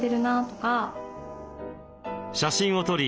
写真を撮り